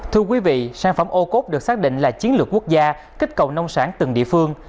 thưa quý vị sản phẩm ô cốt được xác định là chiến lược quốc gia kích cầu nông sản từng địa phương